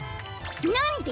なんで？